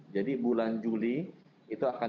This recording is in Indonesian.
jadi bulan juli itu akan